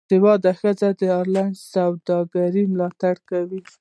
باسواده ښځې د انلاین سوداګرۍ ملاتړ کوي.